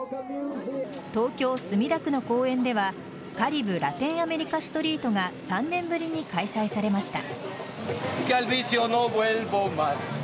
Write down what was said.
東京・墨田区の公園ではカリブ・ラテンアメリカストリートが３年ぶりに開催されました。